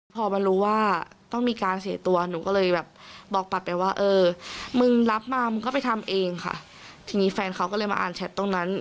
พอมารู้ว่าต้องมีการเสียตัวหนูก็เลยแบบบอกปัดไปว่าเออมึงรับมามึงก็ไปทำเองค่ะทีนี้แฟนเขาก็เลยมาอ่านแชทตรงนั้น